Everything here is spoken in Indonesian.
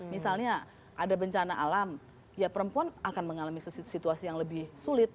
misalnya ada bencana alam ya perempuan akan mengalami situasi yang lebih sulit